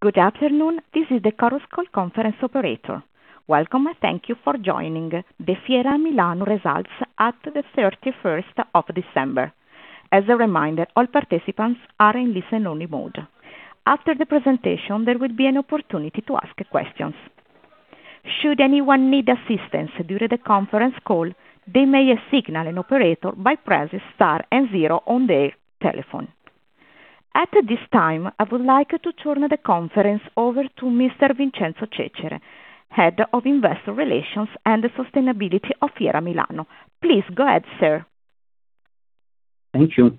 Good afternoon. This is the Chorus Call conference operator. Welcome, and thank you for joining the Fiera Milano results at the thirty-first of December. As a reminder, all participants are in listen only mode. After the presentation, there will be an opportunity to ask questions. Should anyone need assistance during the conference call, they may signal an operator by pressing star and zero on their telephone. At this time, I would like to turn the conference over to Mr. Vincenzo Cecere, head of investor relations and sustainability of Fiera Milano. Please go ahead, sir. Thank you.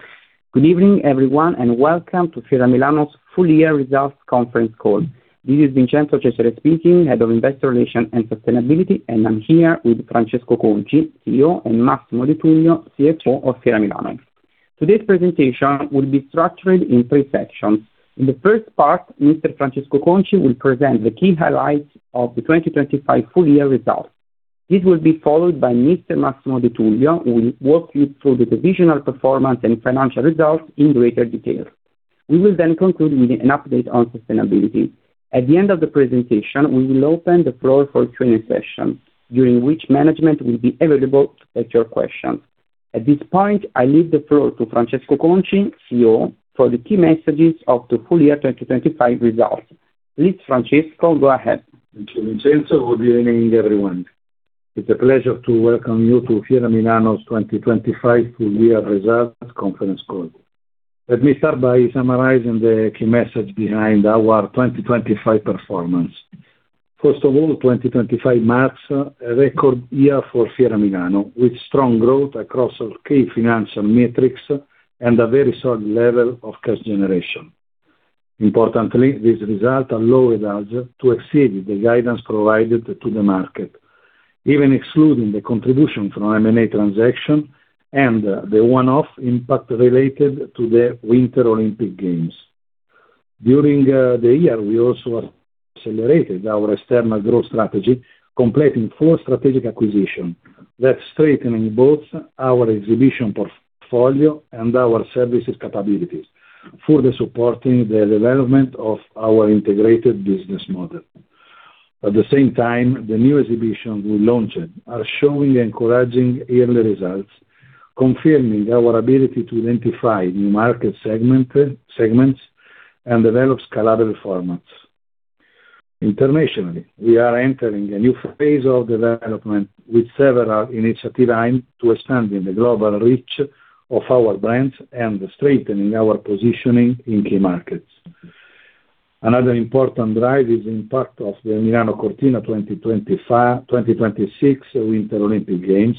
Good evening, everyone, and welcome to Fiera Milano's full year results conference call. This is Vincenzo Cecere speaking, head of investor relations and sustainability, and I'm here with Francesco Conci, CEO, and Massimo De Tullio, CFO of Fiera Milano. Today's presentation will be structured in three sections. In the first part, Mr. Francesco Conci will present the key highlights of the 2025 full year results. This will be followed by Mr. Massimo De Tullio, who will walk you through the divisional performance and financial results in greater detail. We will then conclude with an update on sustainability. At the end of the presentation, we will open the floor for a Q&A session, during which management will be available to take your questions. At this point, I leave the floor to Francesco Conci, CEO, for the key messages of the full year 2025 results. Please, Francesco, go ahead. Thank you, Vincenzo. Good evening, everyone. It's a pleasure to welcome you to Fiera Milano's 2025 full year results conference call. Let me start by summarizing the key message behind our 2025 performance. First of all, 2025 marks a record year for Fiera Milano, with strong growth across our key financial metrics and a very solid level of cash generation. Importantly, these results allowed us to exceed the guidance provided to the market, even excluding the contribution from M&A transaction and the one-off impact related to the Winter Olympic Games. During the year, we also accelerated our external growth strategy, completing four strategic acquisitions that are strengthening both our exhibition portfolio and our services capabilities for supporting the development of our integrated business model. At the same time, the new exhibitions we launched are showing encouraging early results, confirming our ability to identify new market segments and develop scalable formats. Internationally, we are entering a new phase of development with several initiatives lined up to expand the global reach of our brands and strengthening our positioning in key markets. Another important driver is the impact of the Milano Cortina 2026 Winter Olympic Games,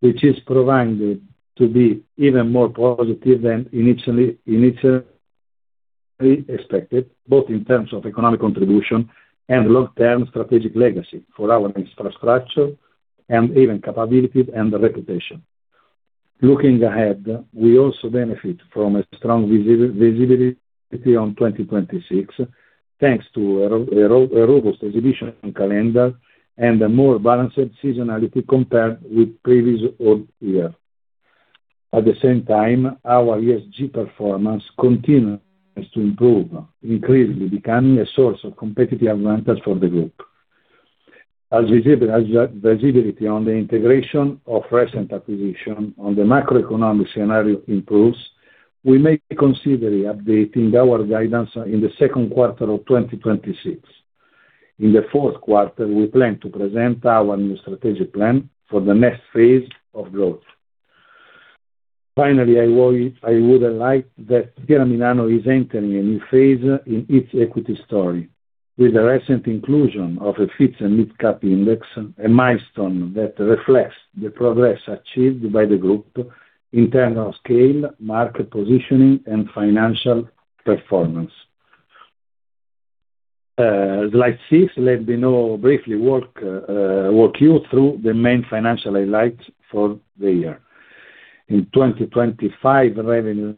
which is proving to be even more positive than initially expected, both in terms of economic contribution and long-term strategic legacy for our infrastructure and event capabilities and reputation. Looking ahead, we also benefit from a strong visibility on 2026, thanks to a robust exhibition calendar and a more balanced seasonality compared with previous odd years. At the same time, our ESG performance continues to improve, increasingly becoming a source of competitive advantage for the group. As visibility on the integration of recent acquisitions and the macroeconomic scenario improves, we may be considering updating our guidance in the second quarter of 2026. In the fourth quarter, we plan to present our new strategic plan for the next phase of growth. Finally, I would highlight that Fiera Milano is entering a new phase in its equity story with the recent inclusion of a FTSE Italia Mid Cap Index, a milestone that reflects the progress achieved by the group in terms of scale, market positioning and financial performance. Slide six, let me now briefly walk you through the main financial highlights for the year. In 2025, revenue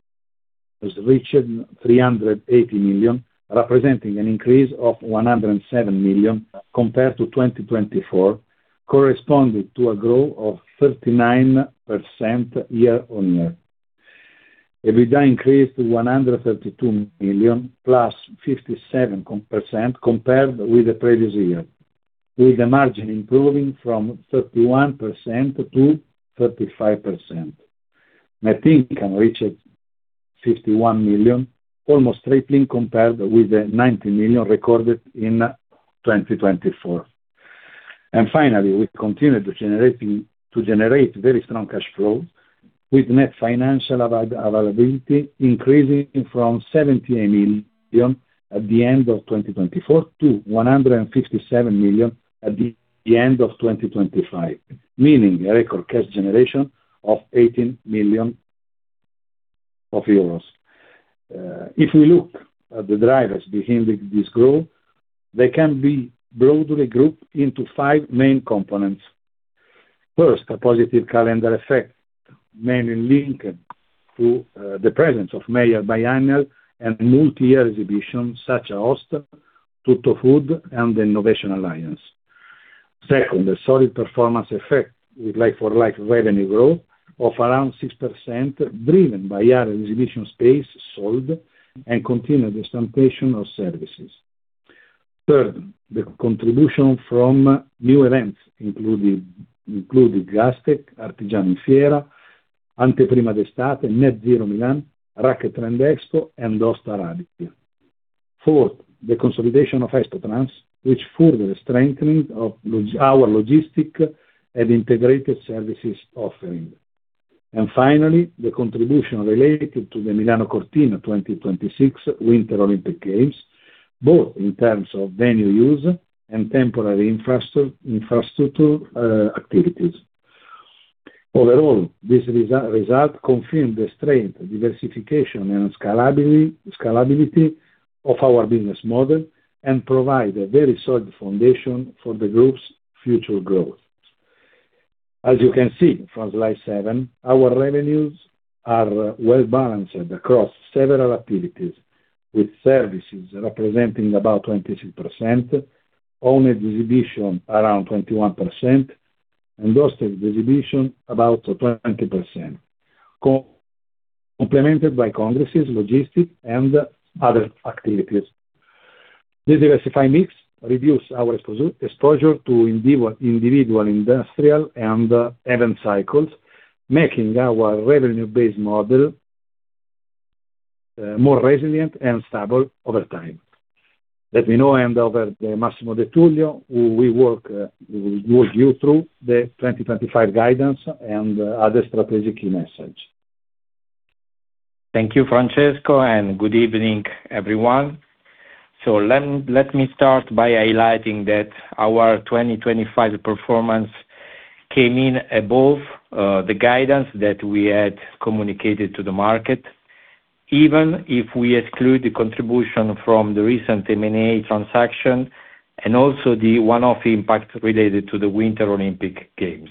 has reached 380 million, representing an increase of 107 million compared to 2024, corresponding to a growth of 39% year-on-year. EBITDA increased to 132 million +57% compared with the previous year, with the margin improving from 31% - 35%. Net income reached 51 million, almost tripling compared with the 90 million recorded in 2024. Finally, we continued to generate very strong cash flow, with net financial availability increasing from 70 million at the end of 2024 to 157 million at the end of 2025, meaning a record cash generation of 18 million euros. If we look at the drivers behind this growth, they can be broadly grouped into five main components. First, a positive calendar effect, mainly linked to the presence of major biennial and multi-year exhibitions such as Host, TUTTOFOOD and The Innovation Alliance. Second, the solid performance effect with like-for-like revenue growth of around 6%, driven by higher exhibition space sold and continued the sanitation of services. Third, the contribution from new events, including Gastech, Artigiano in Fiera, Anteprima d'Estate, NetZero Milan, Racquet Trend Expo, and Host Arabia. Fourth, the consolidation of Expotrans, which further strengthening of our logistic and integrated services offering. Finally, the contribution related to the Milano Cortina 2026 Winter Olympic Games, both in terms of venue use and temporary infrastructure activities. Overall, this result confirms the strength, diversification, and scalability of our business model and provide a very solid foundation for the group's future growth. As you can see from slide seven, our revenues are well-balanced across several activities, with services representing about 23%, owned exhibition around 21%, and hosted exhibition about 20%. Complemented by congresses, logistics, and other activities. This diversified mix reduces our exposure to individual industrial and event cycles, making our revenue-based model more resilient and stable over time. Let me now hand over to Massimo De Tullio, who will walk you through the 2025 guidance and other strategic key message. Thank you, Francesco, and good evening, everyone. Let me start by highlighting that our 2025 performance came in above the guidance that we had communicated to the market, even if we exclude the contribution from the recent M&A transaction and also the one-off impact related to the Winter Olympic Games.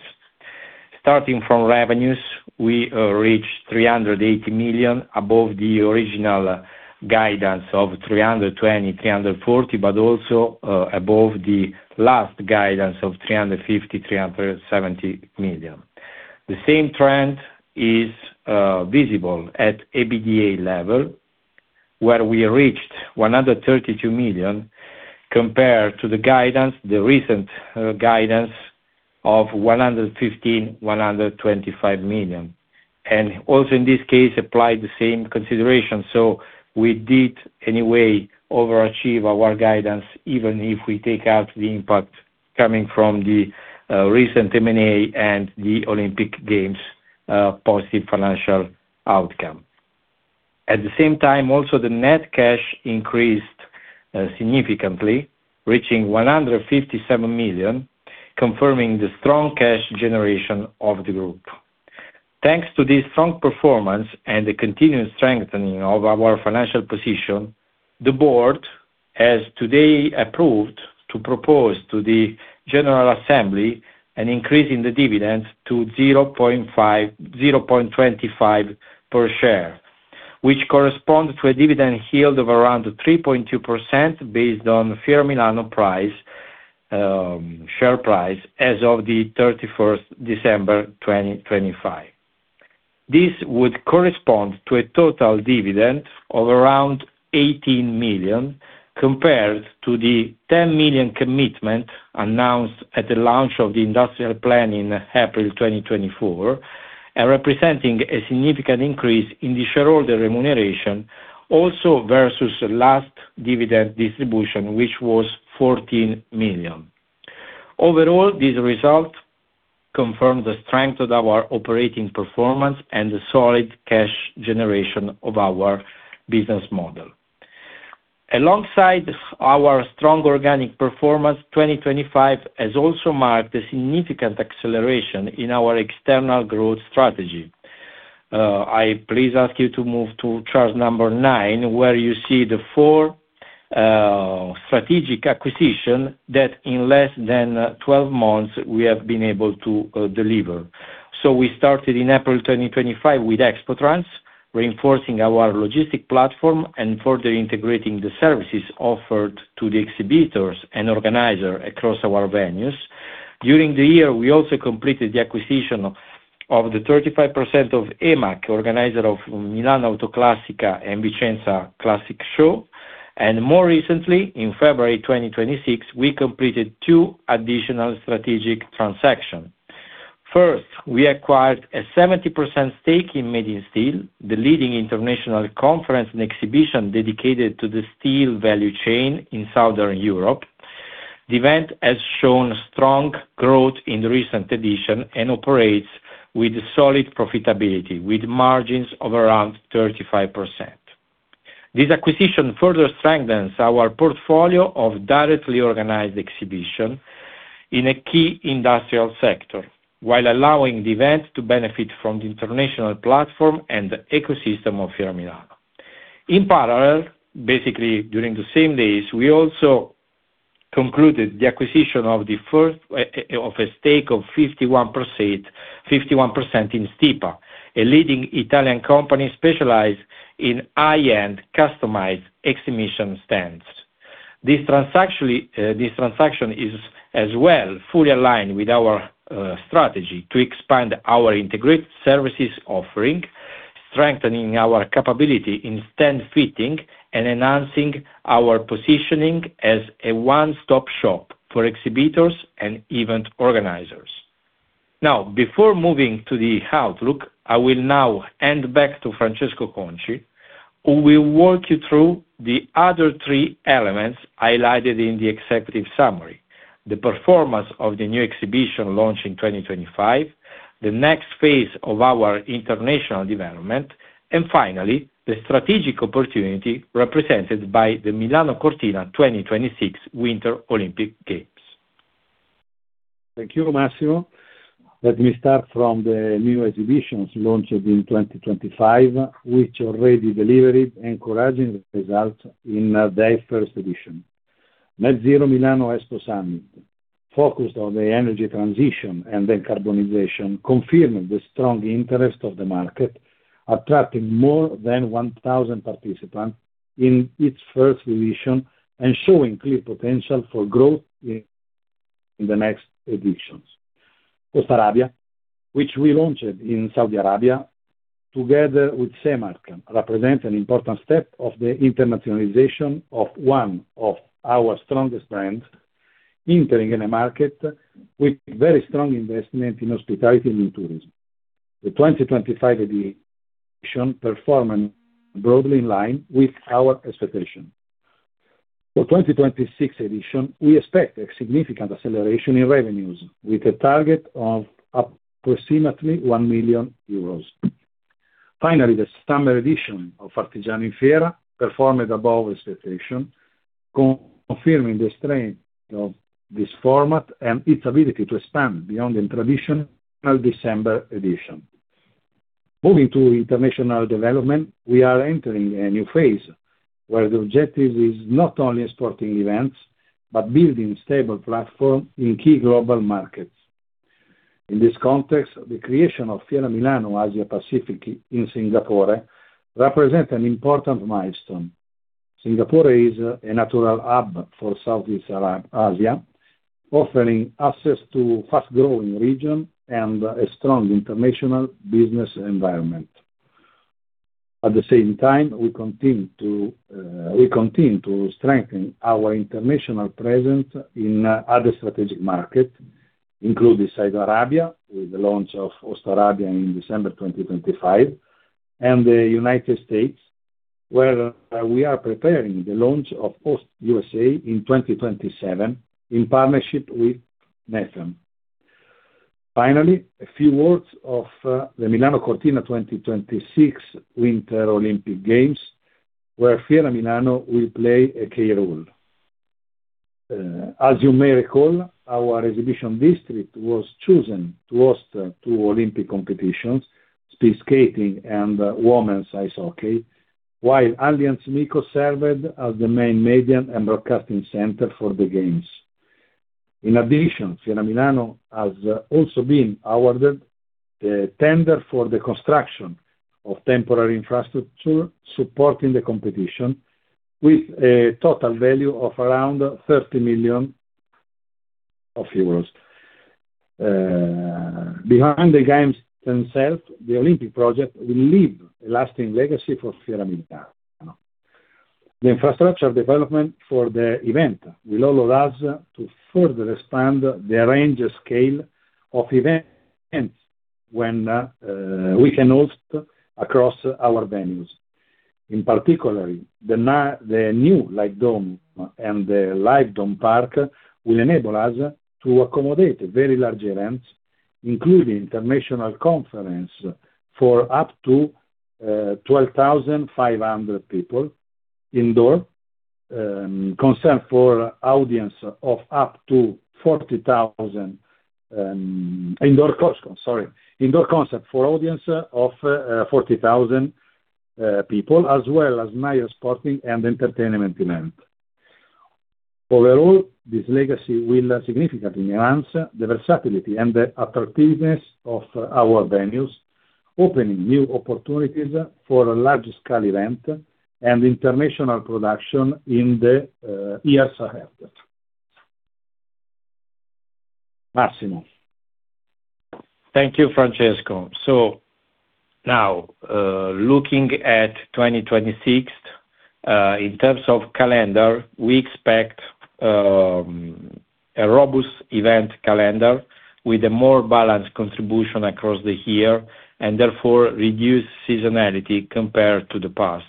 Starting from revenues, we reached 380 million, above the original guidance of 320 million-340 million, but also above the last guidance of 350 million-370 million. The same trend is visible at EBITDA level, where we reached 132 million compared to the recent guidance of 115 million-125 million. Also in this case applied the same consideration. We did anyway overachieve our guidance even if we take out the impact coming from the recent M&A and the Olympic Games positive financial outcome. At the same time, also the net cash increased significantly, reaching 157 million, confirming the strong cash generation of the group. Thanks to this strong performance and the continued strengthening of our financial position, the board has today approved to propose to the general assembly an increase in the dividend to 0.25 per share, which corresponds to a dividend yield of around 3.2% based on Fiera Milano price, share price as of 31 December 2025. This would correspond to a total dividend of around 18 million, compared to the 10 million commitment announced at the launch of the industrial plan in April 2024, and representing a significant increase in the shareholder remuneration also versus last dividend distribution, which was 14 million. Overall, this result confirms the strength of our operating performance and the solid cash generation of our business model. Alongside our strong organic performance, 2025 has also marked a significant acceleration in our external growth strategy. I please ask you to move to chart 9, where you see the four strategic acquisition that in less than 12 months we have been able to deliver. We started in April 2025 with Expotrans, reinforcing our logistic platform and further integrating the services offered to the exhibitors and organizer across our venues. During the year, we also completed the acquisition of the 35% of EMAC, organizer of Milano AutoClassica and Vicenza Classic Car Show. More recently, in February 2026, we completed two additional strategic transactions. First, we acquired a 70% stake in Made in Steel, the leading international conference and exhibition dedicated to the steel value chain in Southern Europe. The event has shown strong growth in the recent edition and operates with solid profitability, with margins of around 35%. This acquisition further strengthens our portfolio of directly organized exhibition in a key industrial sector while allowing the event to benefit from the international platform and the ecosystem of Fiera Milano. In parallel, basically during the same days, we also concluded the acquisition of a stake of 51% in Stipa, a leading Italian company specialized in high-end customized exhibition stands. This transaction is as well fully aligned with our strategy to expand our integrated services offering, strengthening our capability in stand fitting and enhancing our positioning as a one-stop shop for exhibitors and event organizers. Now, before moving to the outlook, I will now hand back to Francesco Conci, who will walk you through the other three elements highlighted in the executive summary, the performance of the new exhibition launch in 2025, the next phase of our international development, and finally, the strategic opportunity represented by the Milano Cortina 2026 Winter Olympic Games. Thank you, Massimo. Let me start from the new exhibitions launched in 2025, which already delivered encouraging results in their first edition. NetZero Milan Expo & Summit, focused on the energy transition and decarbonization, confirmed the strong interest of the market, attracting more than 1,000 participants in its first edition and showing clear potential for growth in the next editions. Host Arabia, which we launched in Saudi Arabia, together with Semark, represents an important step of the internationalization of one of our strongest brands, entering in a market with very strong investment in hospitality and tourism. The 2025 edition performed broadly in line with our expectation. For 2026 edition, we expect a significant acceleration in revenues with a target of approximately 1 million euros. Finally, the summer edition of Artigiano in Fiera performed above expectation, confirming the strength of this format and its ability to expand beyond the traditional December edition. Moving to international development, we are entering a new phase where the objective is not only exporting events, but building stable platform in key global markets. In this context, the creation of Fiera Milano Asia Pacific in Singapore represents an important milestone. Singapore is a natural hub for Southeast Asia, offering access to fast-growing region and a strong international business environment. At the same time, we continue to strengthen our international presence in other strategic markets, including Saudi Arabia, with the launch of Host Arabia in December 2025, and the United States, where we are preparing the launch of Host USA in 2027 in partnership with NAFEM. Finally, a few words of the Milano Cortina 2026 Winter Olympic Games, where Fiera Milano will play a key role. As you may recall, our exhibition district was chosen to host two Olympic competitions, speed skating and women's ice hockey, while Allianz MiCo served as the main media and broadcasting center for the games. In addition, Fiera Milano has also been awarded the tender for the construction of temporary infrastructure supporting the competition with a total value of around 30 million euros. Behind the games themselves, the Olympic project will leave a lasting legacy for Fiera Milano. The infrastructure development for the event will allow us to further expand the range and scale of events when we can host across our venues. In particular, the new Light Dome and the Light Dome Park will enable us to accommodate very large events, including international conference for up to 12,500 people indoor, conferences for audience of up to 40,000, indoor concerts for audience of 40,000 people as well as major sporting and entertainment event. Overall, this legacy will significantly enhance the versatility and the attractiveness of our venues, opening new opportunities for large-scale event and international production in the years ahead. Massimo. Thank you, Francesco. Now, looking at 2026, in terms of calendar, we expect a robust event calendar with a more balanced contribution across the year and therefore reduced seasonality compared to the past.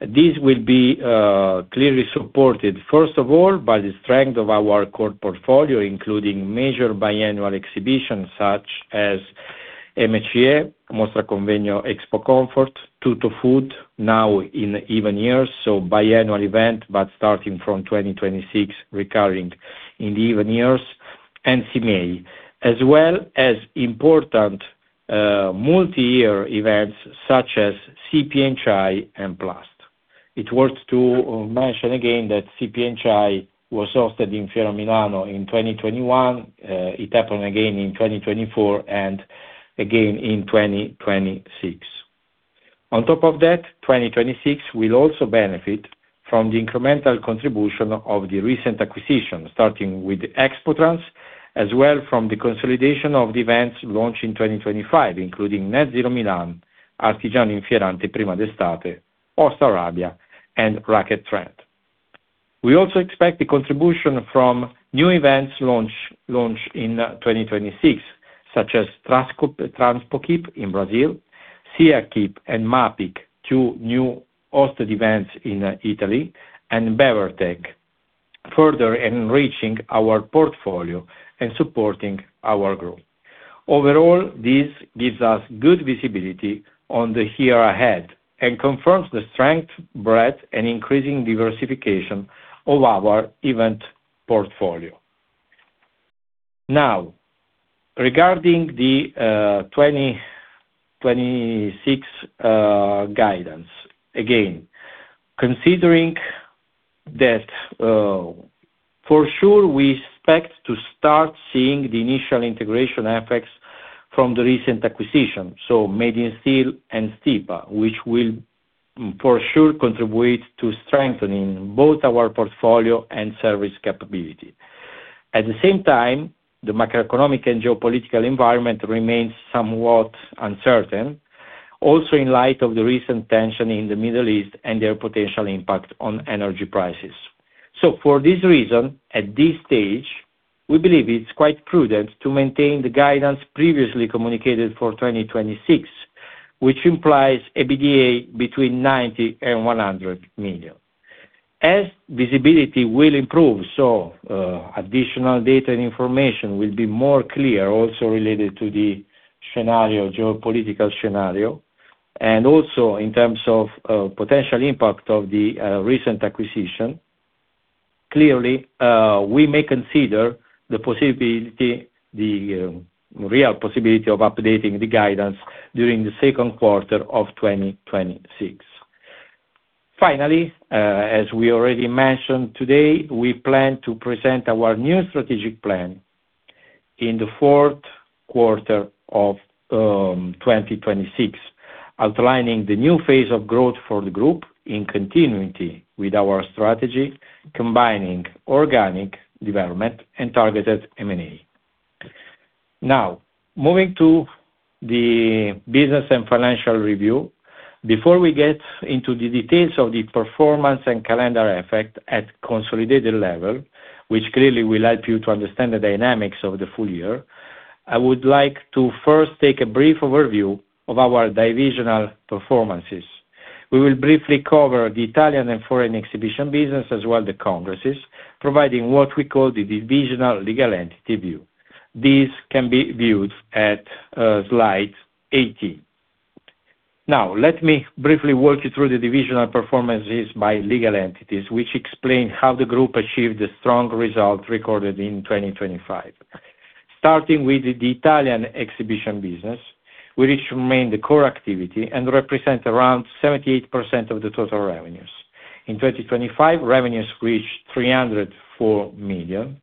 This will be clearly supported, first of all, by the strength of our core portfolio, including major biannual exhibitions such as MCE, Mostra Convegno Expocomfort, TUTTOFOOD, now in even years, so biannual event but starting from 2026 recurring in the even years, and SIMEI, as well as important multi-year events such as CPhI and PLAST. It's worth to mention again that CPhI was hosted in Fiera Milano in 2021. It happened again in 2024 and again in 2026. On top of that, 2026 will also benefit from the incremental contribution of the recent acquisition, starting with the Expotrans, as well from the consolidation of the events launched in 2025, including NetZero Milan, Artigiano in Fiera Anteprima d'Estate, Host Arabia, and Racquet Trend Expo. We also expect the contribution from new events launched in 2026, such as Transpotec Logitec in Brazil, Sierki and MAPIC Italy, two new hosted events in Italy, and Bevertech, further enriching our portfolio and supporting our growth. Overall, this gives us good visibility on the year ahead and confirms the strength, breadth, and increasing diversification of our event portfolio. Now, regarding the 2026 guidance, again, considering that for sure we expect to start seeing the initial integration effects from the recent acquisition, so Made in Steel and Stipa, which will for sure contribute to strengthening both our portfolio and service capability. At the same time, the macroeconomic and geopolitical environment remains somewhat uncertain, also in light of the recent tension in the Middle East and their potential impact on energy prices. For this reason, at this stage, we believe it's quite prudent to maintain the guidance previously communicated for 2026, which implies EBITDA between 90 million and 100 million. As visibility will improve, so additional data and information will be more clear, also related to the scenario, geopolitical scenario, and also in terms of potential impact of the recent acquisition. Clearly, we may consider the possibility, real possibility of updating the guidance during the second quarter of 2026. Finally, as we already mentioned today, we plan to present our new strategic plan in the fourth quarter of 2026, outlining the new phase of growth for the group in continuity with our strategy, combining organic development and targeted M&A. Now, moving to the business and financial review, before we get into the details of the performance and calendar effect at consolidated level, which clearly will help you to understand the dynamics of the full year, I would like to first take a brief overview of our divisional performances. We will briefly cover the Italian and foreign exhibition business as well as the congresses, providing what we call the divisional legal entity view. These can be viewed at slide 18. Now, let me briefly walk you through the divisional performances by legal entities, which explain how the group achieved the strong result recorded in 2025. Starting with the Italian exhibition business, which remain the core activity and represent around 78% of the total revenues. In 2025, revenues reached 304 million,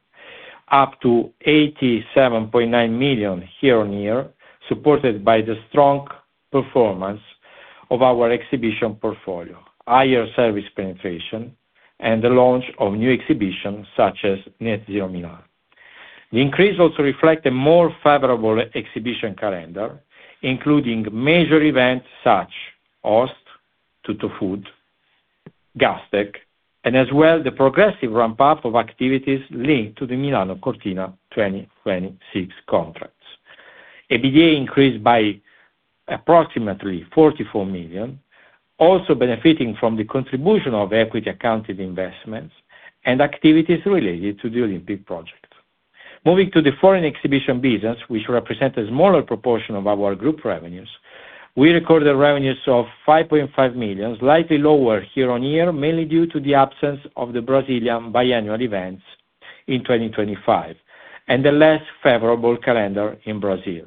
up 87.9 million year-on-year, supported by the strong performance of our exhibition portfolio, higher service penetration, and the launch of new exhibitions such as NetZero Milan. The increase also reflect a more favorable exhibition calendar, including major events such as HostMilano, TUTTOFOOD, Gastech, and as well the progressive ramp-up of activities linked to the Milano Cortina 2026 contracts. EBITDA increased by approximately 44 million, also benefiting from the contribution of equity accounted investments and activities related to the Olympic project. Moving to the foreign exhibition business, which represent a smaller proportion of our group revenues, we recorded revenues of 5.5 million, slightly lower year-on-year, mainly due to the absence of the Brazilian biannual events in 2025, and the less favorable calendar in Brazil.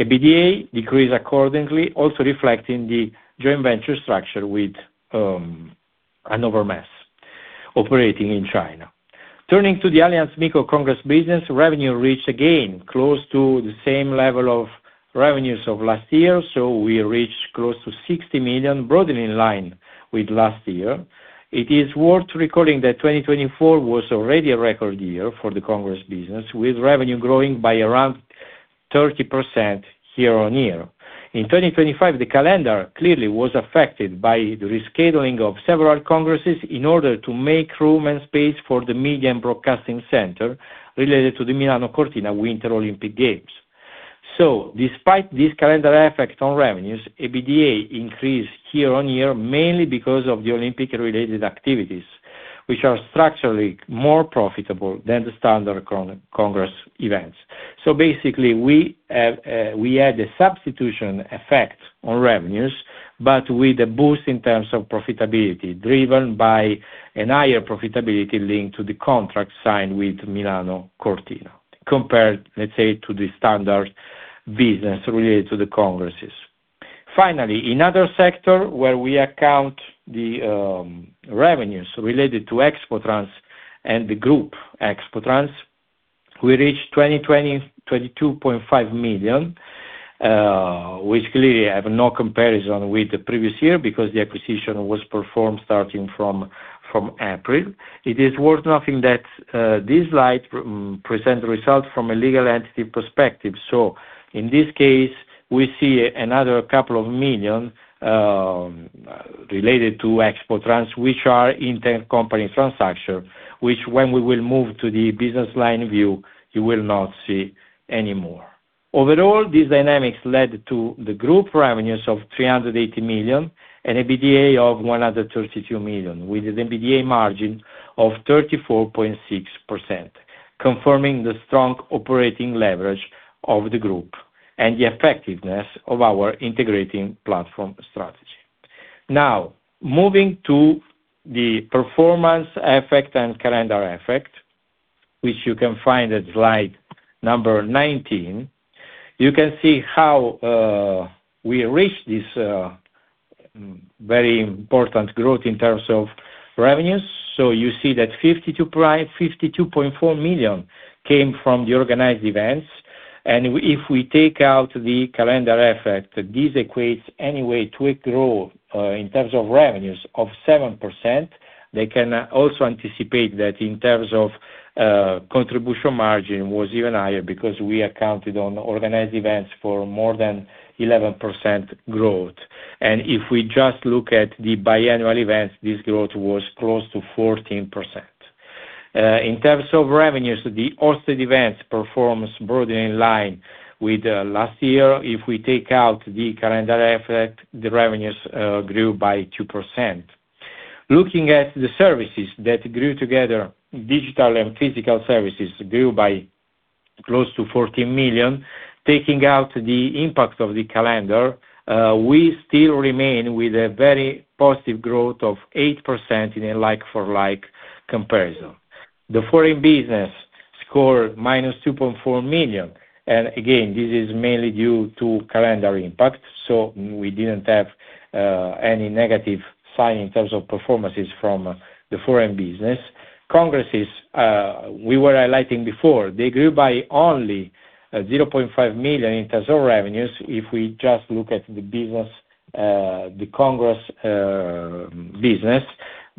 EBITDA decreased accordingly, also reflecting the joint venture structure with Hannover Messe operating in China. Turning to the Allianz MiCo business, revenue reached again close to the same level of revenues of last year, so we reached close to 60 million, broadly in line with last year. It is worth recalling that 2024 was already a record year for the Congress business, with revenue growing by around 30% year-on-year. In 2025, the calendar clearly was affected by the rescheduling of several congresses in order to make room and space for the media and broadcasting center related to the Milano Cortina Winter Olympic Games. Despite this calendar effect on revenues, EBITDA increased year-on-year, mainly because of the Olympic-related activities, which are structurally more profitable than the standard congress events. Basically, we had a substitution effect on revenues, but with a boost in terms of profitability, driven by a higher profitability linked to the contract signed with Milano Cortina compared, let's say, to the standard business related to the congresses. Finally, in other sector where we account for the revenues related to Expotrans and the group Expotrans, we reached 22.5 million, which clearly have no comparison with the previous year because the acquisition was performed starting from April. It is worth noting that this slide presents results from a legal entity perspective. In this case, we see another couple of million related to Expotrans, which are internal company transactions when we will move to the business line view, you will not see anymore. Overall, these dynamics led to the group revenues of 380 million and EBITDA of 132 million, with an EBITDA margin of 34.6%, confirming the strong operating leverage of the group and the effectiveness of our integrating platform strategy. Now, moving to the performance effect and calendar effect, which you can find at slide number 19. You can see how we reached this very important growth in terms of revenues. You see that 52.4 million came from the organized events. If we take out the calendar effect, this equates anyway to a growth in terms of revenues of 7%. They can also anticipate that in terms of contribution margin was even higher because we accounted on organized events for more than 11% growth. If we just look at the biannual events, this growth was close to 14%. In terms of revenues, the hosted events performs broadly in line with last year. If we take out the calendar effect, the revenues grew by 2%. Looking at the services that grew together, digital and physical services grew by close to 14 million. Taking out the impact of the calendar, we still remain with a very positive growth of 8% in a like-for-like comparison. The foreign business scored -2.4 million, and again, this is mainly due to calendar impact, so we didn't have any negative sign in terms of performances from the foreign business. Congresses, we were highlighting before, they grew by only 0.5 million in terms of revenues, if we just look at the business, the congress business.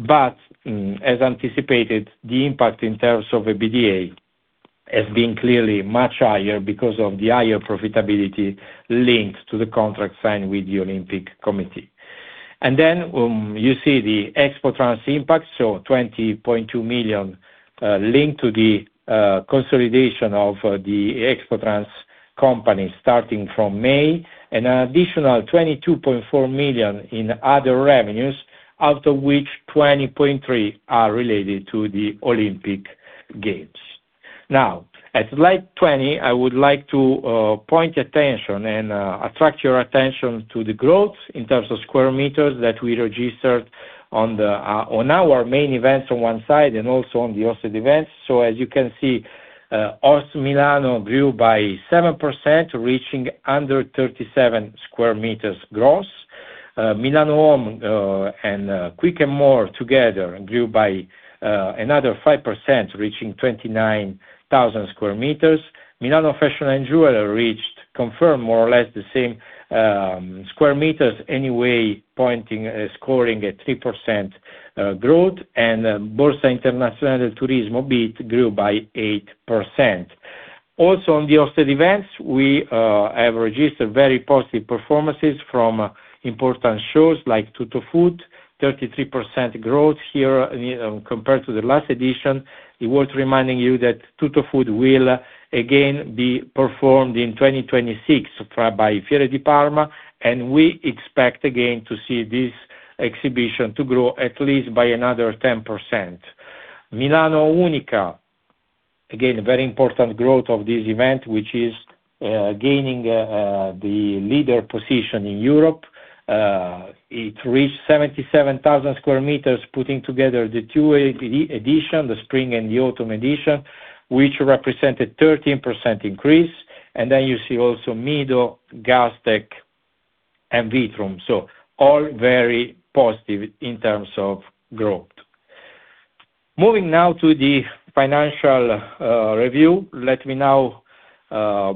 As anticipated, the impact in terms of EBITDA has been clearly much higher because of the higher profitability linked to the contract signed with the Olympic Committee. You see the Expotrans impact, so 20.2 million linked to the consolidation of the Expotrans company starting from May, and an additional 22.4 million in other revenues, out of which 20.3 million are related to the Olympic Games. Now, at slide 20, I would like to draw your attention to the growth in terms of square meters that we registered on our main events on one side and also on the hosted events. As you can see, HostMilano grew by 7%, reaching 137,000 square meters gross. Milano Home and Quick & More together grew by another 5%, reaching 29,000 square meters. Milano Fashion&Jewels reached, confirming more or less the same square meters, anyway, scoring a 3% growth. Borsa Internazionale del Turismo, BIT, grew by 8%. Also, on the hosted events, we have registered very positive performances from important shows like Tuttofood, 33% growth here compared to the last edition. It's worth reminding you that Tuttofood will again be held in 2026 by Fiere di Parma, and we expect again to see this exhibition to grow at least by another 10%. Milano Unica, again, a very important growth of this event, which is gaining the leader position in Europe. It reached 77,000 square meters, putting together the two editions, the spring and the autumn edition, which represented 13% increase. Then you see also MIDO, Gastech, and Vitrum. All very positive in terms of growth. Moving now to the financial review. Let me now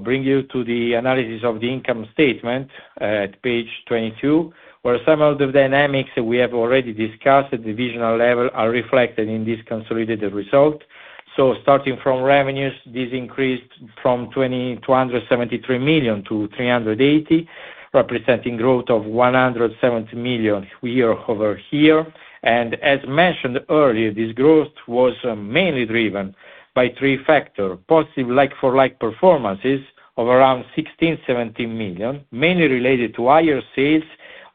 bring you to the analysis of the income statement at page 22, where some of the dynamics that we have already discussed at divisional level are reflected in this consolidated result. Starting from revenues, this increased from 210 million - 380 million, representing growth of 170 million year over year. As mentioned earlier, this growth was mainly driven by three factors, positive like for like performances of around 16, 17 million, mainly related to higher sales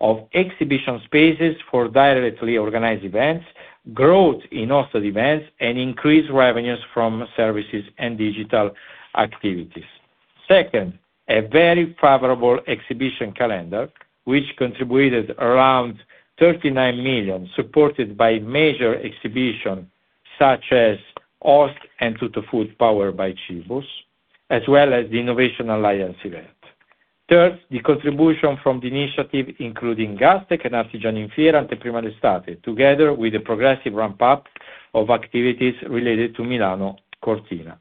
of exhibition spaces for directly organized events, growth in hosted events, and increased revenues from services and digital activities. Second, a very favorable exhibition calendar, which contributed around 39 million, supported by major exhibitions such as Host and Tuttofood powered by Cibus, as well as the Innovation Alliance event. Third, the contribution from the initiative, including Gastech and Artigiano in Fiera Anteprima d'Estate, together with the progressive ramp-up of activities related to Milano Cortina,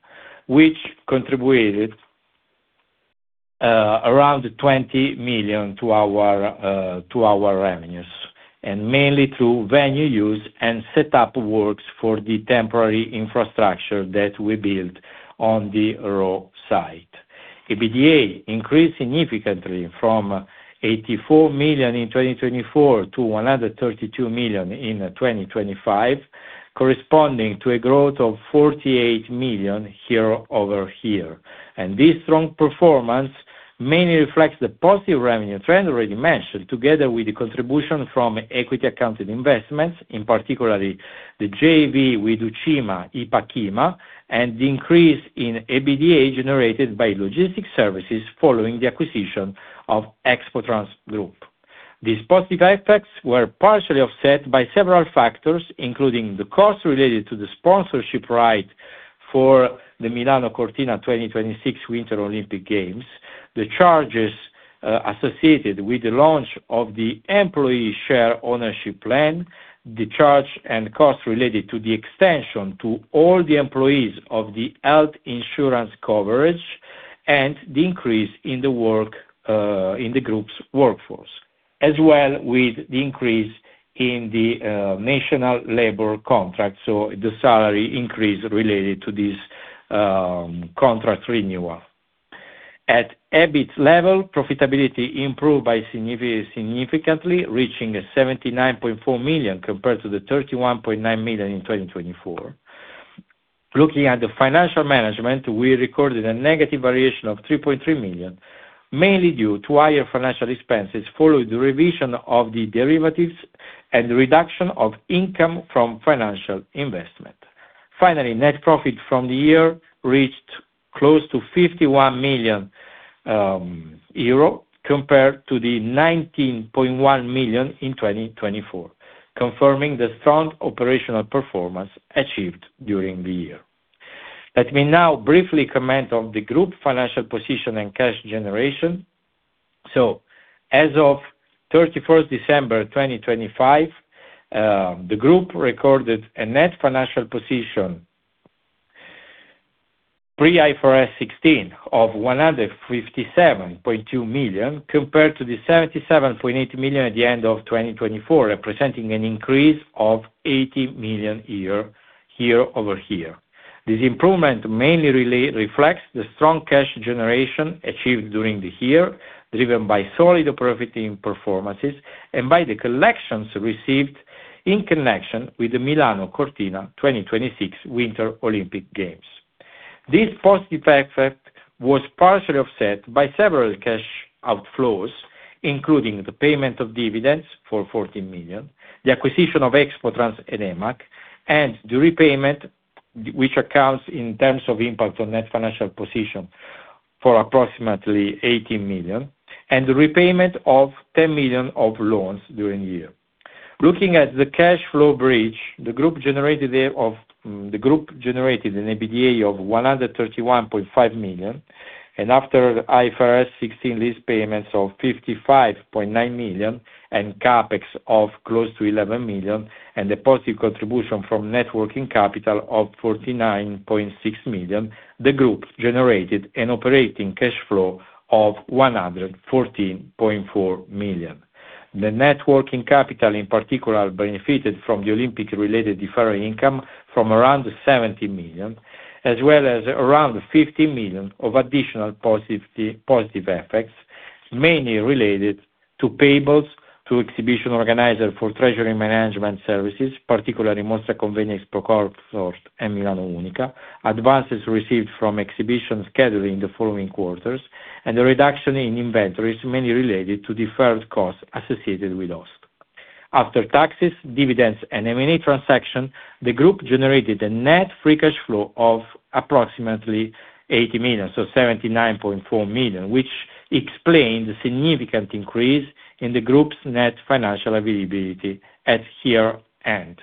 which contributed around 20 million to our revenues, and mainly through venue use and setup works for the temporary infrastructure that we built on the Rho site. EBITDA increased significantly from 84 million in 2024 to 132 million in 2025, corresponding to a growth of 48 million year-over-year. This strong performance mainly reflects the positive revenue trend already mentioned, together with the contribution from equity accounted investments, in particular the JV with Ucima, Ipack-Ima, and the increase in EBITDA generated by logistic services following the acquisition of Expotrans Group. These positive effects were partially offset by several factors, including the costs related to the sponsorship right for the Milano Cortina 2026 Winter Olympic Games, the charges associated with the launch of the employee share ownership plan, the charge and cost related to the extension to all the employees of the health insurance coverage, and the increase in the workforce in the group's. As well as the increase in the national labor contract, so the salary increase related to this contract renewal. At EBIT level, profitability improved by significantly, reaching 79.4 million compared to the 31.9 million in 2024. Looking at the financial management, we recorded a negative variation of 3.3 million, mainly due to higher financial expenses, following the revision of the derivatives and reduction of income from financial investment. Finally, net profit for the year reached close to 51 million euro compared to the 19.1 million in 2024, confirming the strong operational performance achieved during the year. Let me now briefly comment on the group financial position and cash generation. As of December 31, 2025, the group recorded a net financial position pre-IFRS 16 of 157.2 million compared to the 77.8 million at the end of 2024, representing an increase of 80 million year-over-year. This improvement mainly reflects the strong cash generation achieved during the year, driven by solid operating performances and by the collections received in connection with the Milano Cortina 2026 Winter Olympic Games. This positive effect was partially offset by several cash outflows, including the payment of dividends for 14 million, the acquisition of Expotrans and EMAC, and the repayment, which accounts in terms of impact on net financial position for approximately 18 million, and the repayment of 10 million of loans during the year. Looking at the cash flow bridge, the group generated the of... The group generated an EBITDA of 131.5 million, and after IFRS 16 lease payments of 55.9 million, and CapEx of close to 11 million, and a positive contribution from net working capital of 49.6 million, the group generated an operating cash flow of 114.4 million. The net working capital, in particular, benefited from the Olympic-related deferred income from around 70 million, as well as around 50 million of additional positive effects, mainly related to payables to exhibition organizers for treasury management services, particularly Mostra Convegno Expocomfort and Milano Unica, advances received from exhibitors scheduling the following quarters, and the reduction in inventories mainly related to deferred costs associated with Host. After taxes, dividends, and M&A transaction, the group generated a net free cash flow of approximately 80 million, so 79.4 million, which explains the significant increase in the group's net financial availability at year-end.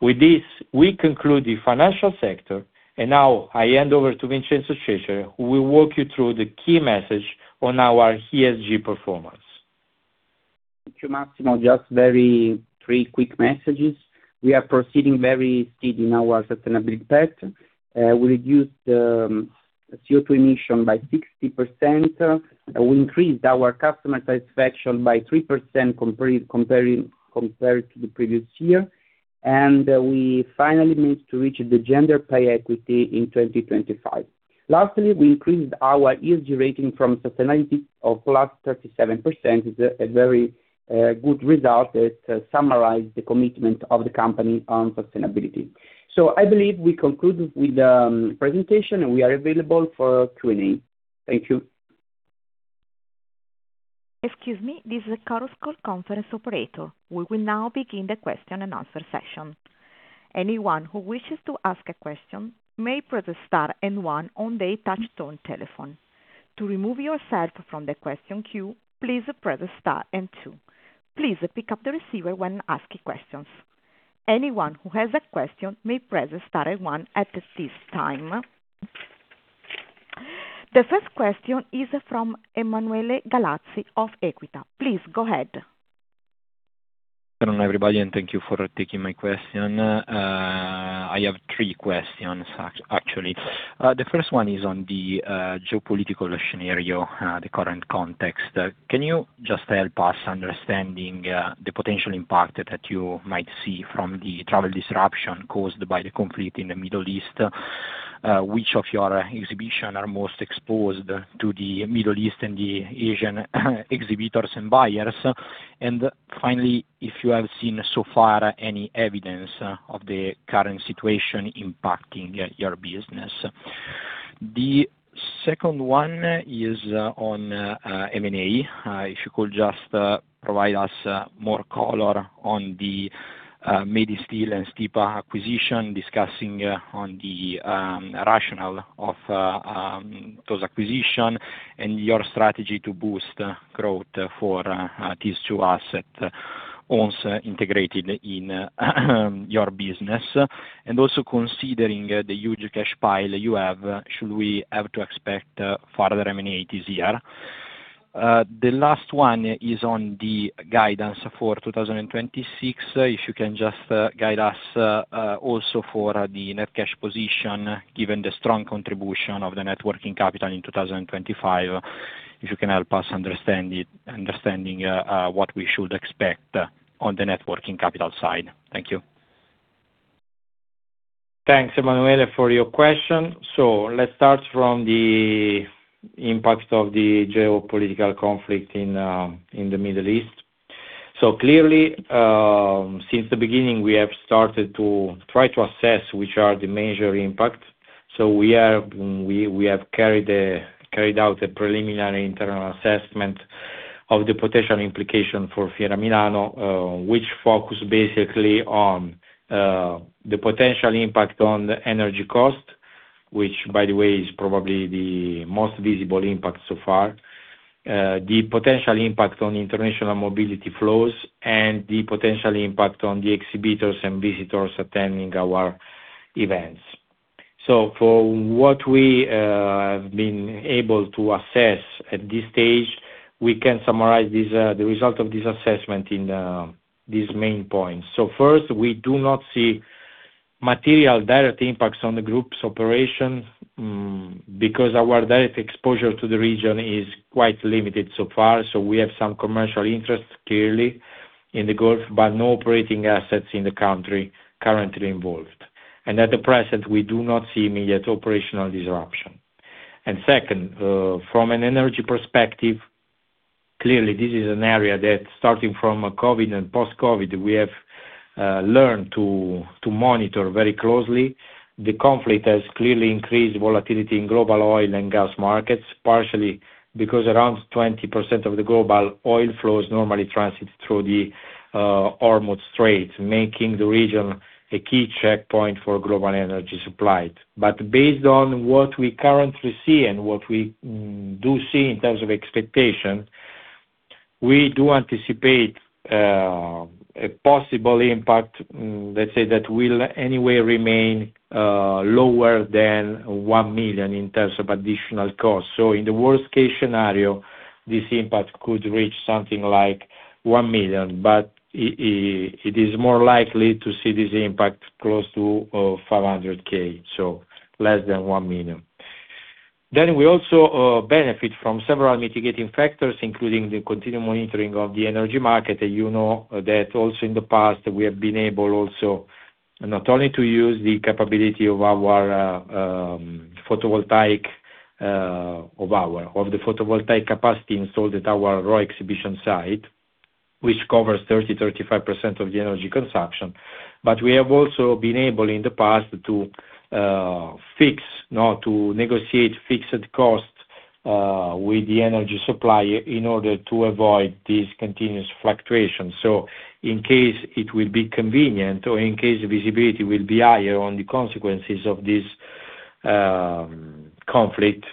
With this, we conclude the financial sector, and now I hand over to Vincenzo Cecere, who will walk you through the key message on our ESG performance. Thank you, Massimo. Just three very quick messages. We are proceeding very steady in our sustainability path. We reduced CO2 emission by 60%. We increased our customer satisfaction by 3% compared to the previous year. We finally managed to reach the gender pay equity in 2025. Lastly, we increased our ESG rating from Sustainalytics by +37%. It's a very good result that summarize the commitment of the company on sustainability. I believe we conclude with the presentation, and we are available for Q&A. Thank you. Excuse me. This is the Chorus Call conference operator. We will now begin the question and answer session. Anyone who wishes to ask a question may press star and one on their touchtone telephone. To remove yourself from the question queue, please press star and two. Please pick up the receiver when asking questions. Anyone who has a question may press star and one at this time. The first question is from Emanuele Gallazzi of Equita. Please go ahead. Good morning, everybody, and thank you for taking my question. I have three questions actually. The first one is on the geopolitical scenario, the current context. Can you just help us understanding the potential impact that you might see from the travel disruption caused by the conflict in the Middle East? Which of your exhibition are most exposed to the Middle East and the Asian exhibitors and buyers? And finally, if you have seen so far any evidence of the current situation impacting your business. The second one is on M&A. If you could just provide us more color on the Made in Steel and Stipa acquisition, discussing on the rationale of those acquisition and your strategy to boost growth for these two asset once integrated in your business. Also considering the huge cash pile you have, should we have to expect further M&As this year? The last one is on the guidance for 2026. If you can just guide us also for the net cash position, given the strong contribution of the net working capital in 2025, if you can help us understand it, what we should expect on the net working capital side. Thank you. Thanks, Emanuele, for your question. Let's start from the impact of the geopolitical conflict in the Middle East. Clearly, since the beginning, we have started to try to assess which are the major impact. We have carried out a preliminary internal assessment of the potential implication for Fiera Milano, which focus basically on the potential impact on the energy cost, which by the way, is probably the most visible impact so far. The potential impact on international mobility flows and the potential impact on the exhibitors and visitors attending our events. For what we have been able to assess at this stage, we can summarize the result of this assessment in these main points. First, we do not see material direct impacts on the group's operations, because our direct exposure to the region is quite limited so far. We have some commercial interests, clearly, in the Gulf, but no operating assets in the country currently involved. At the present, we do not see immediate operational disruption. Second, from an energy perspective, clearly this is an area that starting from COVID and post-COVID, we have learned to monitor very closely. The conflict has clearly increased volatility in global oil and gas markets, partially because around 20% of the global oil flows normally transit through the Strait of Hormuz, making the region a key checkpoint for global energy supply. Based on what we currently see and what we do see in terms of expectation, we do anticipate a possible impact, let's say that will anyway remain lower than one million in terms of additional cost. In the worst case scenario, this impact could reach something like one million, but it is more likely to see this impact close to 500 thousand, so less than one million. We also benefit from several mitigating factors, including the continued monitoring of the energy market. You know that also in the past, we have been able also not only to use the capability of our photovoltaic capacity installed at our Rho exhibition site, which covers 30%-35% of the energy consumption. We have also been able in the past to fix, you know, to negotiate fixed costs with the energy supplier in order to avoid these continuous fluctuations. In case it will be convenient or in case visibility will be higher on the consequences of this conflict,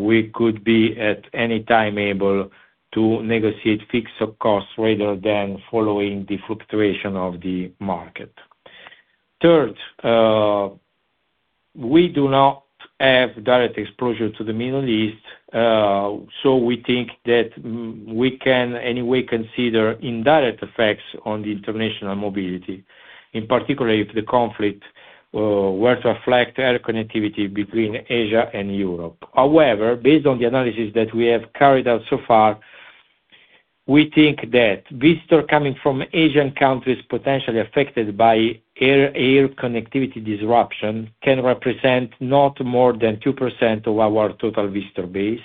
we could be at any time able to negotiate fixed costs rather than following the fluctuation of the market. Third, we do not have direct exposure to the Middle East, so we think that we can anyway consider indirect effects on the international mobility, in particular if the conflict were to affect air connectivity between Asia and Europe. However, based on the analysis that we have carried out so far, we think that visitors coming from Asian countries potentially affected by air connectivity disruption can represent not more than 2% of our total visitor base.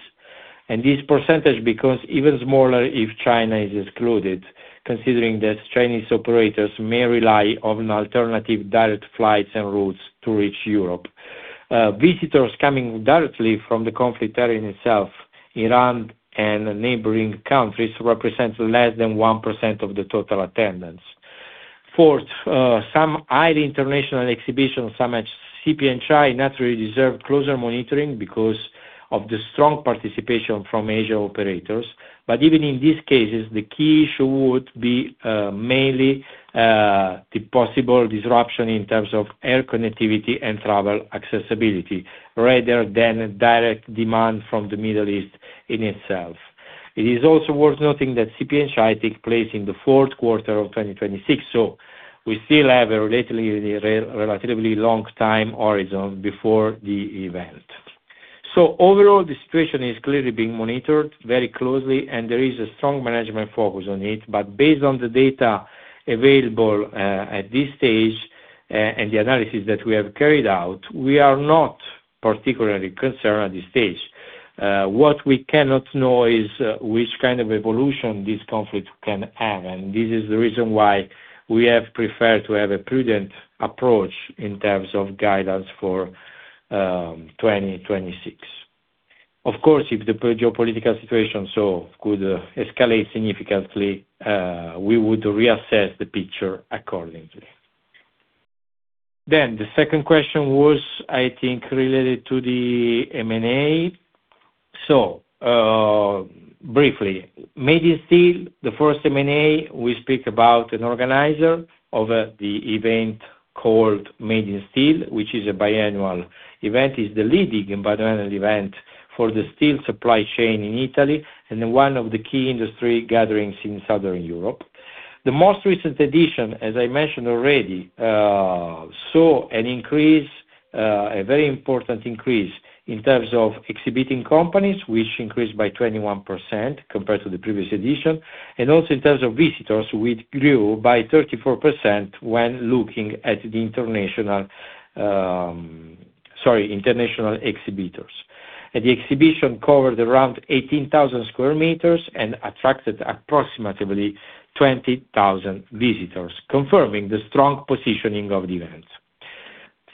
This percentage becomes even smaller if China is excluded, considering that Chinese operators may rely on alternative direct flights and routes to reach Europe. Visitors coming directly from the conflict area itself, Iran and neighboring countries, represents less than 1% of the total attendance. Fourth, some high international exhibition, some at CPhI, naturally deserve closer monitoring because of the strong participation from Asian operators. Even in these cases, the key issue would be mainly the possible disruption in terms of air connectivity and travel accessibility rather than a direct demand from the Middle East in itself. It is also worth noting that CPhI takes place in the fourth quarter of 2026, so we still have a relatively long time horizon before the event. Overall, the situation is clearly being monitored very closely, and there is a strong management focus on it. Based on the data available at this stage and the analysis that we have carried out, we are not particularly concerned at this stage. What we cannot know is which kind of evolution this conflict can have, and this is the reason why we have preferred to have a prudent approach in terms of guidance for 2026. Of course, if the geopolitical situation could escalate significantly, we would reassess the picture accordingly. The second question was, I think, related to the M&A. Briefly, Made in Steel, the first M&A, we speak about an organizer of, the event called Made in Steel, which is a biannual event. It's the leading biannual event for the steel supply chain in Italy and one of the key industry gatherings in Southern Europe. The most recent edition, as I mentioned already, saw an increase, a very important increase in terms of exhibiting companies, which increased by 21% compared to the previous edition, and also in terms of visitors, which grew by 34% when looking at the international exhibitors. The exhibition covered around 18,000 square meters and attracted approximately 20,000 visitors, confirming the strong positioning of the event.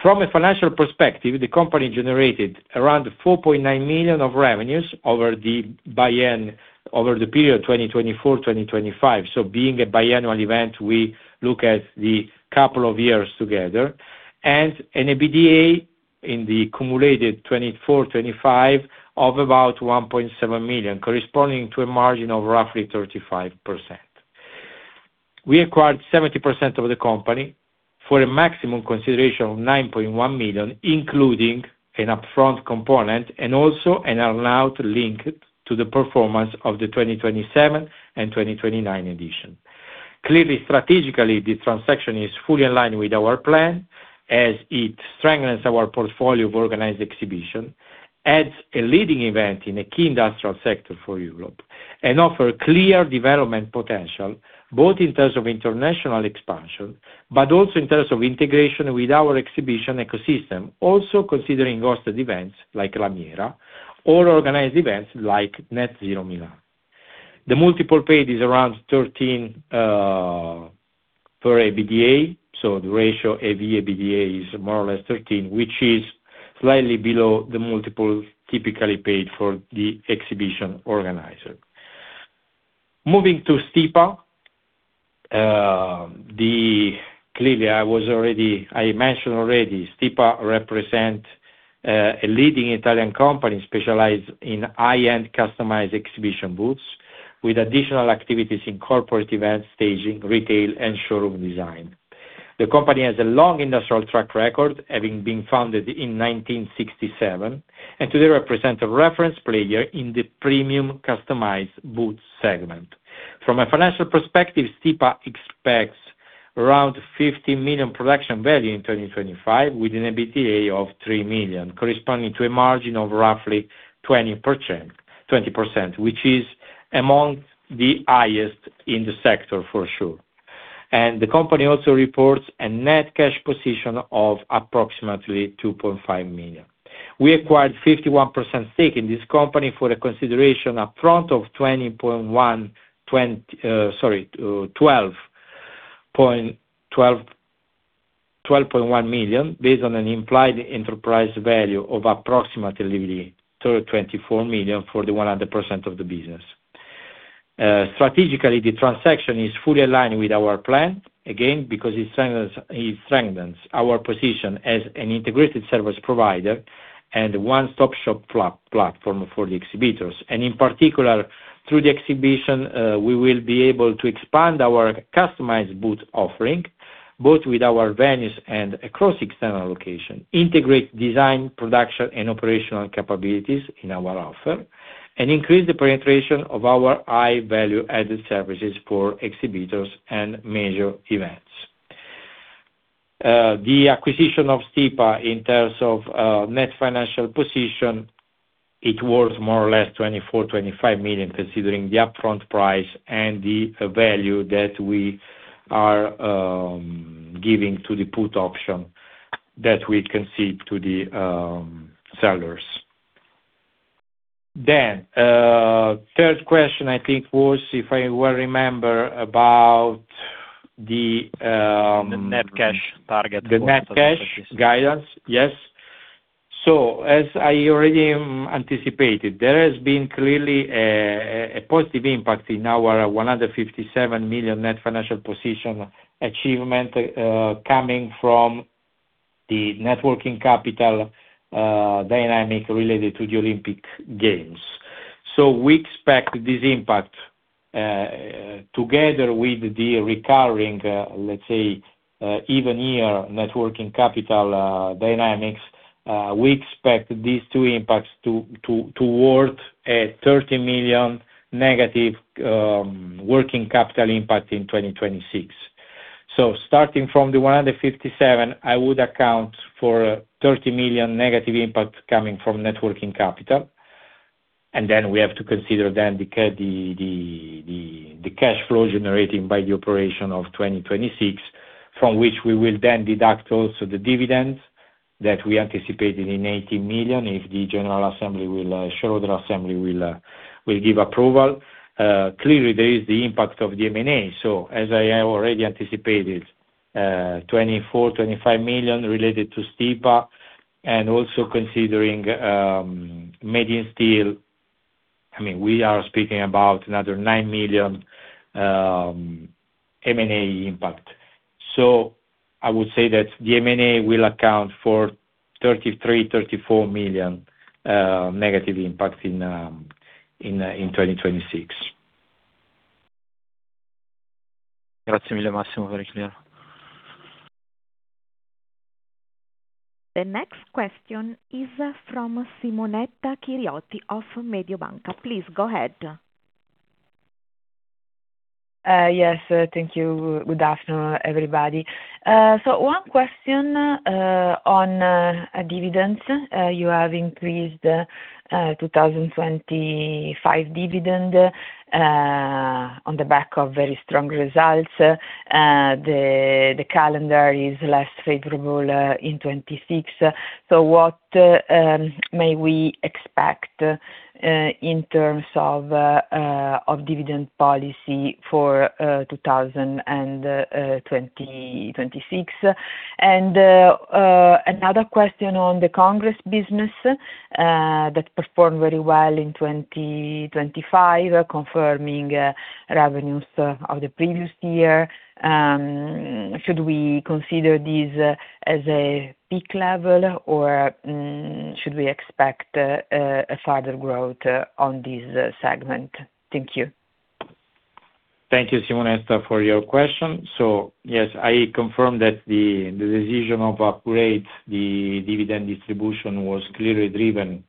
From a financial perspective, the company generated around 4.9 million of revenues over the period 2024, 2025. Being a biannual event, we look at the couple of years together. An EBITDA in the cumulated 2024, 2025 of about 1.7 million, corresponding to a margin of roughly 35%. We acquired 70% of the company for a maximum consideration of 9.1 million, including an upfront component and also an allowed link to the performance of the 2027 and 2029 edition. Clearly, strategically, the transaction is fully aligned with our plan as it strengthens our portfolio of organized exhibition, adds a leading event in a key industrial sector for Europe, and offer clear development potential, both in terms of international expansion, but also in terms of integration with our exhibition ecosystem. Also considering hosted events like LAMIERA or organized events like NetZero Milan. The multiple paid is around 13x EBITDA, so the ratio EV/EBITDA is more or less 13, which is slightly below the multiple typically paid for the exhibition organizer. Moving to Stipa. Clearly, I mentioned already, Stipa represent a leading Italian company specialized in high-end customized exhibition booths, with additional activities in corporate event staging, retail, and showroom design. The company has a long industrial track record, having been founded in 1967, and today represent a reference player in the premium customized booth segment. From a financial perspective, Stipa expects around 50 million production value in 2025, with an EBITDA of three million, corresponding to a margin of roughly 20%, which is amongst the highest in the sector for sure. The company also reports a net cash position of approximately 2.5 million. We acquired 51% stake in this company for a consideration upfront of 12.1 million based on an implied enterprise value of approximately 24 million for the 100% of the business. Strategically, the transaction is fully aligned with our plan, again, because it strengthens our position as an integrated service provider and one-stop-shop platform for the exhibitors. In particular, through the acquisition, we will be able to expand our customized booth offering, both with our venues and across external locations, integrate design, production and operational capabilities in our offer, and increase the penetration of our high value-added services for exhibitors and major events. The acquisition of Stipa in terms of net financial position, it worth more or less 24-25 million, considering the upfront price and the value that we are giving to the put option that we concede to the sellers. Third question I think was, if I well remember, about the, The net cash target for 2026. The net cash guidance. Yes. As I already anticipated, there has been clearly a positive impact in our 157 million net financial position achievement, coming from the net working capital dynamics related to the Olympic Games. We expect this impact, together with the recurring, let's say, even year net working capital dynamics. We expect these two impacts to a 30 million negative working capital impact in 2026. Starting from the 157, I would account for 30 million negative impact coming from net working capital. We have to consider the cash flow generated by the operation of 2026, from which we will deduct the dividends that we anticipated in 80 million if the shareholder assembly will give approval. Clearly there is the impact of the M&A. As I have already anticipated, 24-25 million related to Stipa and also considering Made in Steel, I mean, we are speaking about another 9 million M&A impact. I would say that the M&A will account for 33-34 million negative impact in 2026. The next question is from Simonetta Chiriotti of Mediobanca. Please go ahead. Yes, thank you. Good afternoon, everybody. One question on dividends. You have increased the 2025 dividend on the back of very strong results. The calendar is less favorable in 2026. What may we expect in terms of dividend policy for 2026? Another question on the Congress business that performed very well in 2025, confirming revenues of the previous year. Should we consider this as a peak level or should we expect a further growth on this segment? Thank you. Thank you, Simonetta, for your question. Yes, I confirm that the decision to upgrade the dividend distribution was clearly driven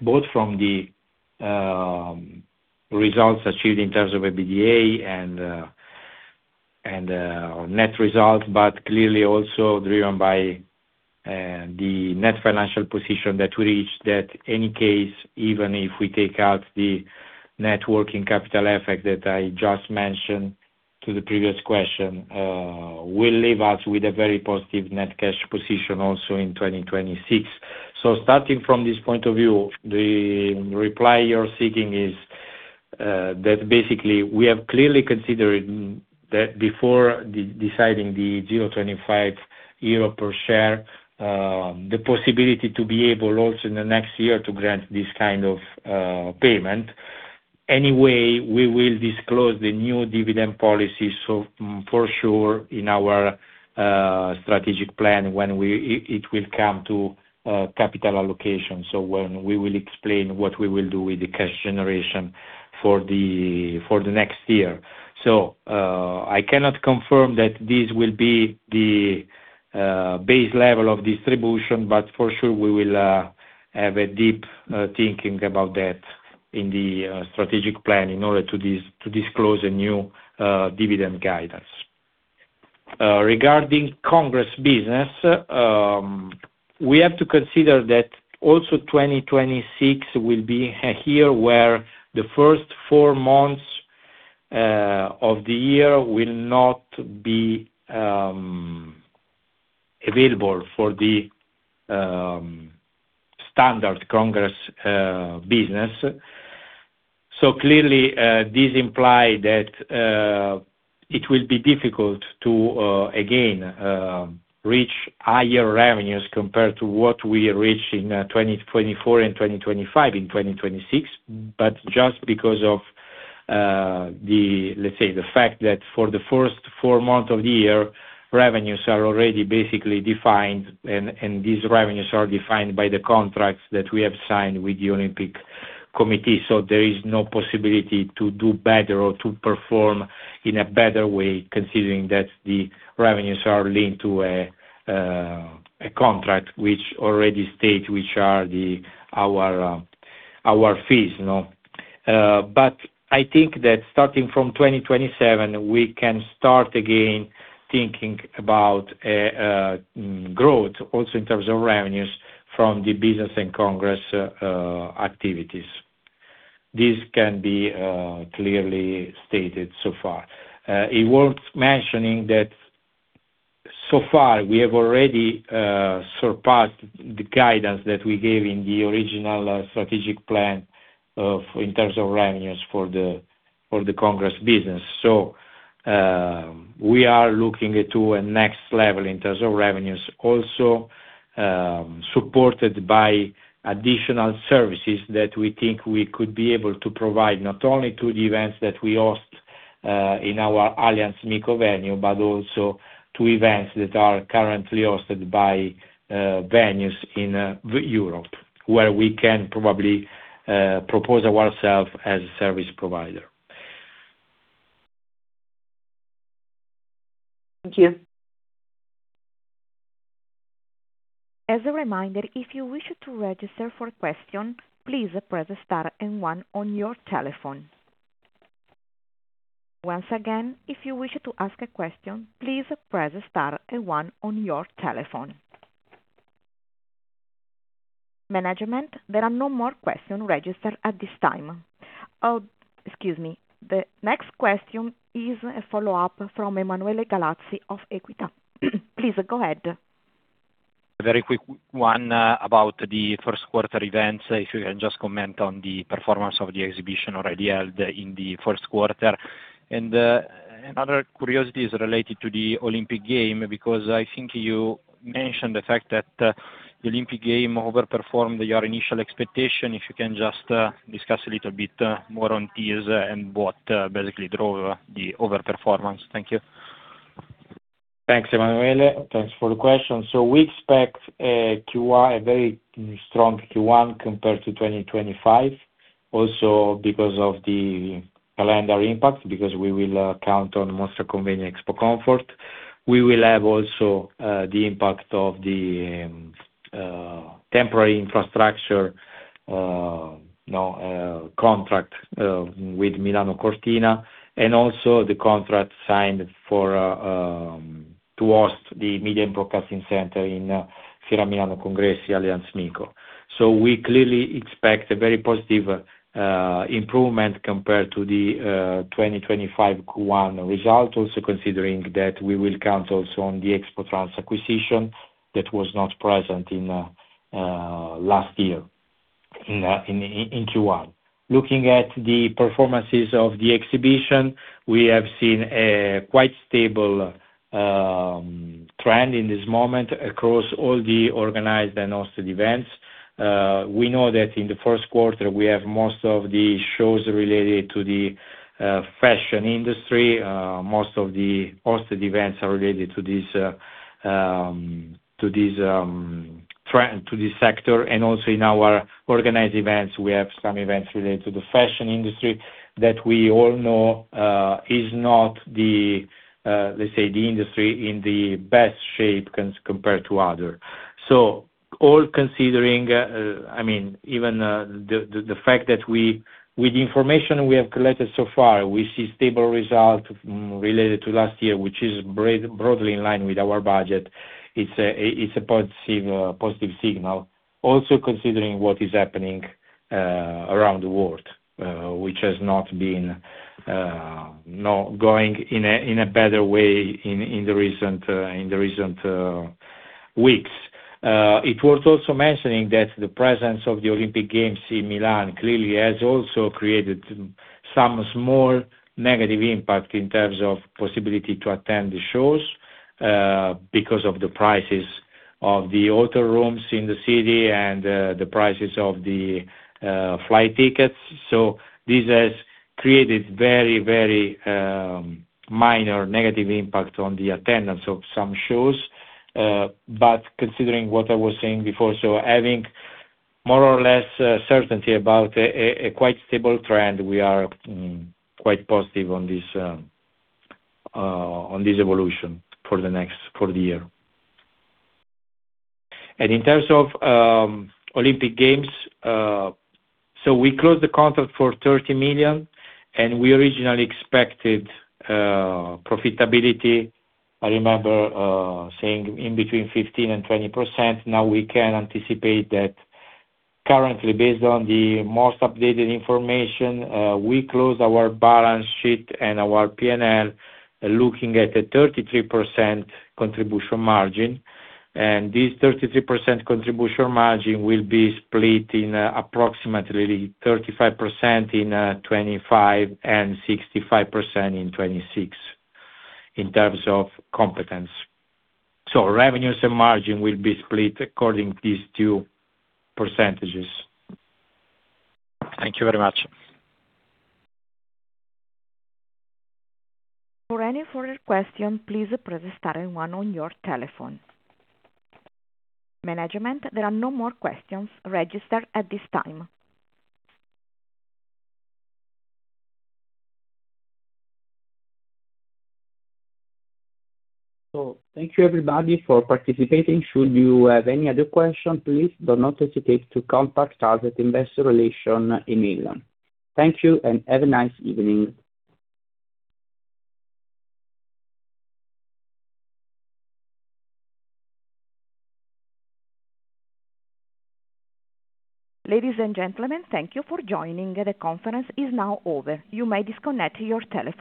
both by the results achieved in terms of EBITDA and net results, but clearly also driven by the net financial position that we reached that in any case, even if we take out the net working capital effect that I just mentioned to the previous question, will leave us with a very positive net cash position also in 2026. Starting from this point of view, the reply you're seeking is that basically we have clearly considered that before deciding the 0.25 euro per share, the possibility to be able also in the next year to grant this kind of payment. Anyway, we will disclose the new dividend policy, so for sure in our strategic plan when it will come to capital allocation. When we will explain what we will do with the cash generation for the next year. I cannot confirm that this will be the base level of distribution, but for sure we will have a deep thinking about that in the strategic plan in order to disclose a new dividend guidance. Regarding Congress business, we have to consider that also 2026 will be a year where the first 4 months of the year will not be available for the standard Congress business. Clearly, this implies that it will be difficult to again reach higher revenues compared to what we reached in 2024 and 2025 in 2026, but just because of the, let's say, the fact that for the first four months of the year, revenues are already basically defined and these revenues are defined by the contracts that we have signed with the Olympic Committee. There is no possibility to do better or to perform in a better way, considering that the revenues are linked to a contract which already states our fees, you know. I think that starting from 2027, we can start again thinking about growth also in terms of revenues from the business and congress activities. This can be clearly stated so far. It's worth mentioning that so far we have already surpassed the guidance that we gave in the original strategic plan in terms of revenues for the Congress business. We are looking to a next level in terms of revenues also supported by additional services that we think we could be able to provide not only to the events that we host in our Allianz MiCo venue but also to events that are currently hosted by venues in Europe where we can probably propose ourselves as a service provider. Thank you. As a reminder, if you wish to register for question, please press Star and One on your telephone. Once again, if you wish to ask a question, please press Star and One on your telephone. Management, there are no more question registered at this time. Excuse me. The next question is a follow-up from Emanuele Gallazzi of Equita. Please go ahead. A very quick one about the first quarter events. If you can just comment on the performance of the exhibition already held in the first quarter. Another curiosity is related to the Olympic Games, because I think you mentioned the fact that the Olympic Games overperformed your initial expectation. If you can just discuss a little bit more on this and what basically drove the overperformance. Thank you. Thanks, Emanuele. Thanks for the question. We expect a Q1, a very strong Q1 compared to 2025, also because of the calendar impact, because we will count on Mostra Convegno Expocomfort. We will have also the impact of the temporary infrastructure contract with Milano Cortina, and also the contract signed for to host the media and broadcasting center in Fiera Milano Congressi, Allianz MiCo. We clearly expect a very positive improvement compared to the 2025 Q1 result, also considering that we will count also on the Expotrans acquisition that was not present in last year in Q1. Looking at the performances of the exhibition, we have seen a quite stable trend in this moment across all the organized and hosted events. We know that in the first quarter we have most of the shows related to the fashion industry. Most of the hosted events are related to this trend, to this sector. Also in our organized events, we have some events related to the fashion industry that we all know is not the, let's say, the industry in the best shape compared to other. All considering, I mean, even the fact with the information we have collected so far, we see stable results related to last year, which is broadly in line with our budget. It's a positive signal also considering what is happening around the world, which has not been going in a better way in the recent weeks. It's worth also mentioning that the presence of the Olympic Games in Milan clearly has also created some small negative impact in terms of possibility to attend the shows, because of the prices of the hotel rooms in the city and the prices of the flight tickets. This has created very minor negative impact on the attendance of some shows. Considering what I was saying before, having more or less certainty about a quite stable trend, we are quite positive on this evolution for the year. In terms of Olympic Games, we closed the contract for 30 million, and we originally expected profitability. I remember saying between 15%-20%. Now, we can anticipate that currently, based on the most updated information, we close our balance sheet and our P&L looking at a 33% contribution margin. This 33% contribution margin will be split in approximately 35% in 2025 and 65% in 2026 in terms of competence. Revenues and margin will be split according to these two percentages. Thank you very much. For any further question, please press Star and One on your telephone. Management, there are no more questions registered at this time. Thank you everybody for participating. Should you have any other question, please do not hesitate to contact us at Investor Relations email. Thank you and have a nice evening. Ladies and gentlemen, thank you for joining. The conference is now over. You may disconnect your telephone.